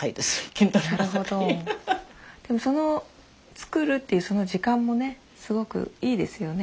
作るっていうその時間もねすごくいいですよね。